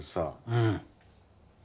うん。